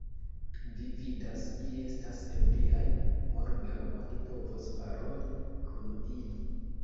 Vi vidas, ili estas ebriaj, morgaŭ oni povos paroli kun ili!